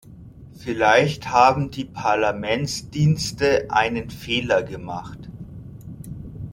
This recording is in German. Vielleicht haben die Parlamentsdienste einen Fehler gemacht.